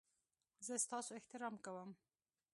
زه ستاسو احترام کوم